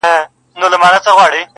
حافظه يې ژوندۍ ساتي تل تل,